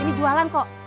ini jualan kok